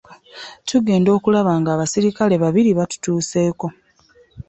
Tugenda okulaba nga abaserikale babiri batutuuseeko.